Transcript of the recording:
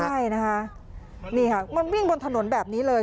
ใช่นะคะนี่ค่ะมันวิ่งบนถนนแบบนี้เลย